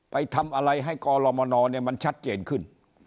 ไปทำอะไรให้กรมนมันชัดเจนขึ้น